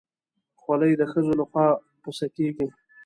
خولۍ د ښځو لخوا پسه کېږي.